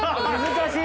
難しい！